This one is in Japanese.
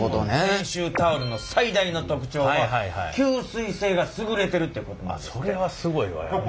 泉州タオルの最大の特徴は吸水性が優れてるってことなんですって。